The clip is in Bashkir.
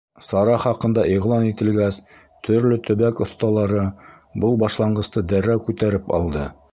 Сара хаҡында иғлан ителгәс, төрлө төбәк оҫталары был башланғысты дәррәү күтәреп алды.